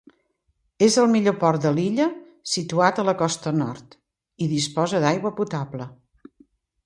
És el millor port de l'illa, situat a la costa nord, i disposa d'aigua potable.